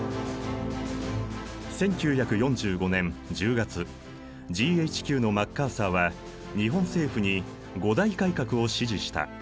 １９４５年１０月ＧＨＱのマッカーサーは日本政府に五大改革を指示した。